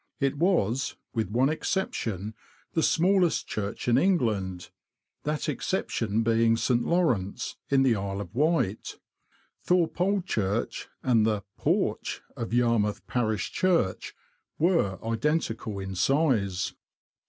It was, with one exception, the smallest church in Eng land, that exception being St. Lawrence, in the Isle of Wight. Thorpe Old Church and the porch of Yarmouth Parish Church were identical in size.